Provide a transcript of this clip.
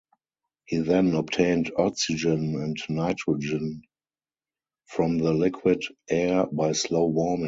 He then obtained oxygen and nitrogen from the liquid air by slow warming.